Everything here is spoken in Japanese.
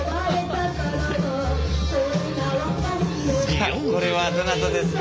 さあこれはどなたですか？